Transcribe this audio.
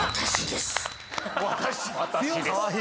「私です」